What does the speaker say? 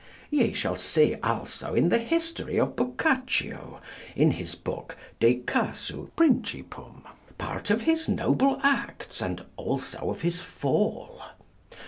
Ye shall see also in the history of Boccaccio, in his book 'De casu principum,' part of his noble acts and also of his fall.